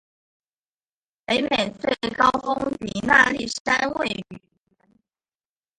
北美最高峰迪纳利山位于园内。